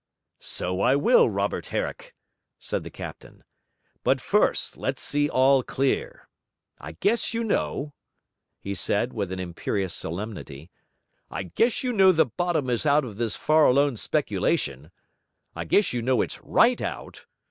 'So I will, Robert Herrick,' said the captain. 'But first, let's see all clear. I guess you know,' he said with an imperious solemnity, 'I guess you know the bottom is out of this Farallone speculation? I guess you know it's RIGHT out?